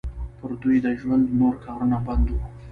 پر دوی د ژوند نور کارونه بند وو.